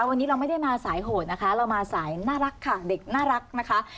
วันนี้เราไม่ได้มาสายโหดนะคะเรามาสายน่ารักค่ะเด็กน่ารักนะคะ